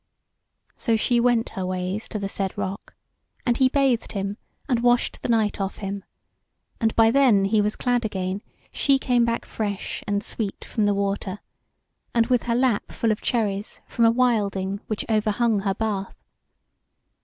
So she went her ways to the said rock, and he bathed him, and washed the night off him, and by then he was clad again she came back fresh and sweet from the water, and with her lap full of cherries from a wilding which overhung her bath.